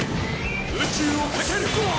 宇宙を駆ける。